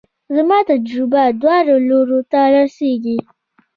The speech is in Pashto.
زما تجربه دواړو لورو ته رسېږي.